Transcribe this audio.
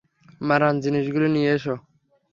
মারান, জিনিসগুলো নিয়ে আসো।